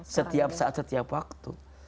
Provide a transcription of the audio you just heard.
setiap saat setiap waktu